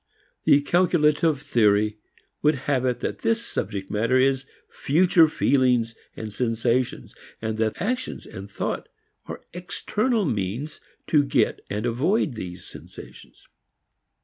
The calculative theory would have it that this subject matter is future feelings, sensations, and that actions and thought are external means to get and avoid these sensations.